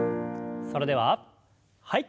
それでははい。